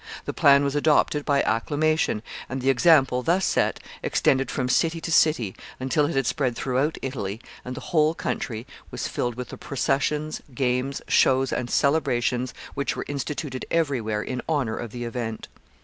The plan was adopted by acclamation, and the example, thus set, extended from city to city, until it had spread throughout Italy, and the whole country was filled with the processions, games, shows, and celebrations, which were instituted every where in honor of the event.